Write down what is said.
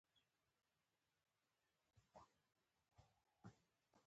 د مچیو ساتنه څومره ګټه لري؟